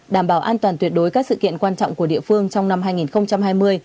đảm bảo an toàn tuyệt đối các sự kiện quan trọng của địa phương trong năm hai nghìn hai mươi